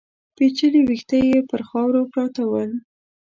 پيچلي ويښته يې پر خاورو پراته ول.